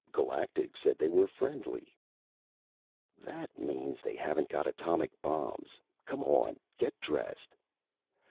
"Galactic said they were friendly." "That means they haven't got atomic bombs. Come on, get dressed."